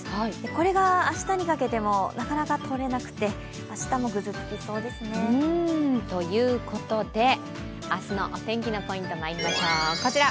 これが明日にかけてもなかなかとれなくて、ということで、明日のお天気のポイントまいりましょう、こちら。